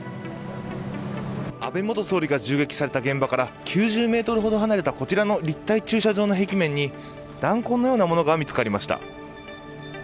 安倍元総理が銃撃された現場から９０メートルほど離れたこちらの立体駐車場の壁面に弾痕のようなものが見つかりました。